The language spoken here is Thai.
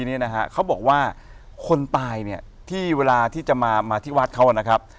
เนี่ยนะฮะเขาบอกว่าคนตายเนี่ยที่เวลาที่จะมามาที่วัดเขานะครับ